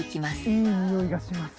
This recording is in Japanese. いい匂いがします